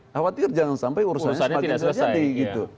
khawatir jangan sampai urusannya tidak selesai